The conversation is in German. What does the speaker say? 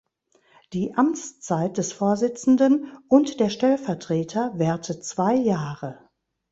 Die Amtszeit des Vorsitzenden und der Stellvertreter währte zwei Jahre.